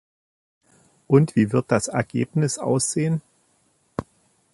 Und wie wird das Ergebnis aussehen?